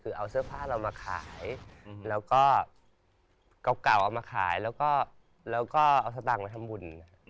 คือเอาเสื้อผ้าเรามาขายแล้วก็เก่าเอามาขายแล้วก็เอาสตางค์ไปทำบุญ